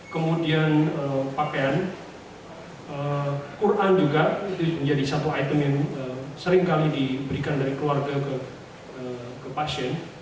kemudian pakaian quran juga itu menjadi satu item yang seringkali diberikan dari keluarga ke pasien